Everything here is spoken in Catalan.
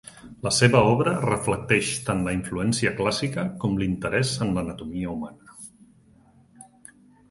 La seva obra reflecteix tant la influència clàssica com l'interès en l'anatomia humana.